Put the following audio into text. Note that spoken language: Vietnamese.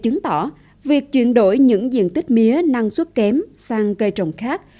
chứng tỏ việc chuyển đổi những diện tích mía năng suất kém sang cây trồng khác